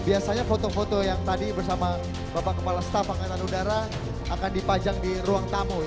biasanya foto foto yang tadi bersama bapak kepala staf angkatan udara akan dipajang di ruang tamu